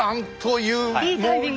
いいタイミング。